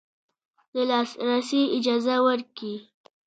د لاسرسي اجازه ورکړي